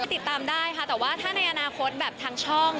ติดตามได้ค่ะแต่ว่าถ้าในอนาคตแบบทางช่อง